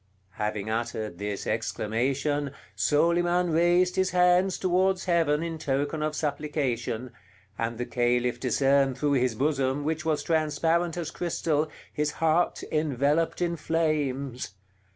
Having uttered this exclamation, Soliman raised his hands towards Heaven in token of supplication, and the Caliph discerned through his bosom, which was transparent as crystal, his heart enveloped in flames.